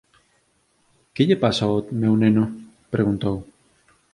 Que lle pasa ao meu neno? —preguntou.